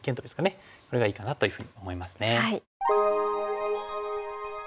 これがいいかなというふうに思いますね。